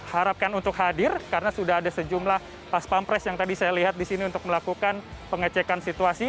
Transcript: harapkan untuk hadir karena sudah ada sejumlah pas pampres yang tadi saya lihat di sini untuk melakukan pengecekan situasi